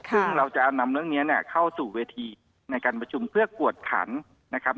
ซึ่งเราจะนำเรื่องนี้เข้าสู่เวทีในการประชุมเพื่อกวดขันนะครับ